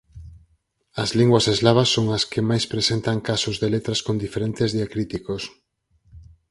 As linguas eslavas son as que máis presentan casos de letras con diferentes diacríticos.